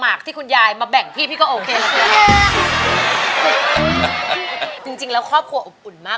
ไม่รู้จะขึ้นทางไหนครับ